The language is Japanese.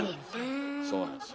そうなんですよ。